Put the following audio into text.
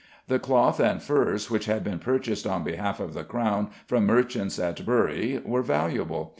The cloth and furs which had been purchased on behalf of the crown from merchants at Bury were valuable.